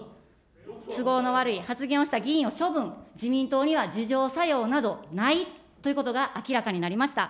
都合の悪い発言をした議員を処分、自民党には自浄作用などないということが明らかになりました。